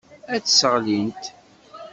Ad tt-sseɣlint.